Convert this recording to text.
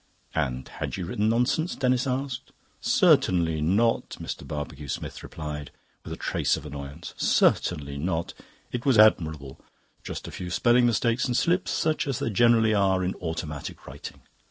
"And had you written nonsense?" Denis asked. "Certainly not," Mr. Barbecue Smith replied, with a trace of annoyance. "Certainly not. It was admirable. Just a few spelling mistakes and slips, such as there generally are in automatic writing.